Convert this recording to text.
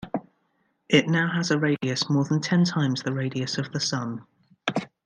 It now has a radius more than ten times the radius of the Sun.